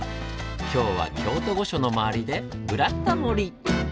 今日は京都御所の周りで「ブラタモリ」！